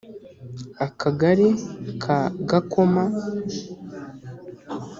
akagari ka Gakoma